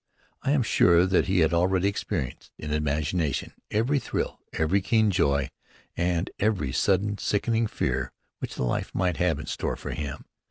I am sure that he had already experienced, in imagination, every thrill, every keen joy, and every sudden sickening fear which the life might have in store for him.